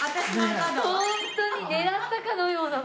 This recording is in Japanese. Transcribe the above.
ホントに狙ったかのような。